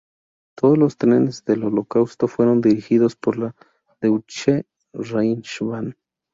Todos los trenes del Holocausto fueron dirigidos por la "Deutsche Reichsbahn".